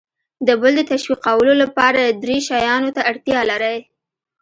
د بل د تشویقولو لپاره درې شیانو ته اړتیا لر ئ :